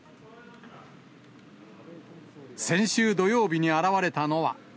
先週土曜日に現れたのは。